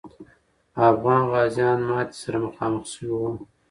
افغاني غازیان ماتي سره مخامخ سوي وو.